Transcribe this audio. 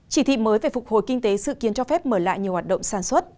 chỉ thị mới về phục hồi kinh tế dự kiến cho phép mở lại nhiều hoạt động sản xuất